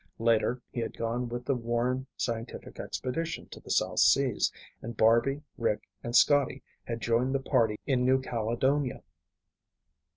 Later, he had gone with the Warren scientific expedition to the South Seas, and Barby, Rick, and Scotty had joined the party in New Caledonia.